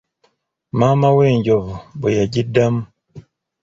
Maama we'enjovu bwe yagiddamu.